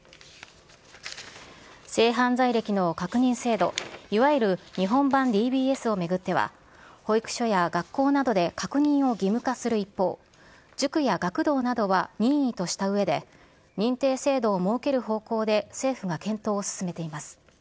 性犯罪歴の確認制度、いわゆる日本版ＤＢＳを巡っては、保育所や学校などで確認を義務化する一方、塾や学童などは任意としたうえで、認定制度を設ける方向で政府が検討を進めています。